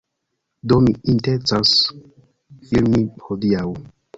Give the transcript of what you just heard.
Do mi intencas filmi hodiaŭ.